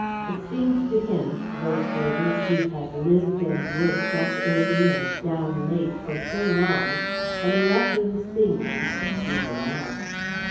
It seemed to him, though for this he had lived and worked up early and down late for so long, a miraculous thing that he should see her now.